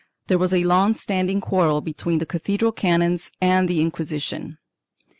There was a long standing quarrel between the cathedral canons and the Inquisition.